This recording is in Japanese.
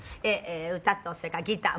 歌と、それからギター。